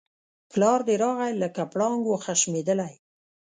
پلار دی راغی لکه پړانګ وو خښمېدلی